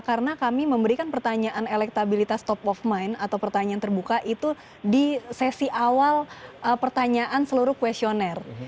karena kami memberikan pertanyaan elektabilitas top of mind atau pertanyaan terbuka itu di sesi awal pertanyaan seluruh questionnaire